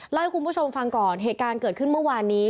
ให้คุณผู้ชมฟังก่อนเหตุการณ์เกิดขึ้นเมื่อวานนี้